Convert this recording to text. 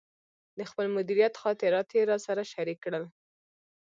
د خپل مدیریت خاطرات یې راسره شریک کړل.